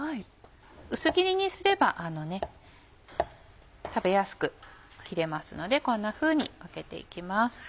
薄切りにすれば食べやすく切れますのでこんなふうに分けて行きます。